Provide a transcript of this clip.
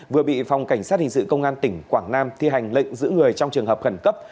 vừa bị phòng cảnh sát hình sự công an tỉnh quảng nam thi hành lệnh giữ người trong trường hợp khẩn cấp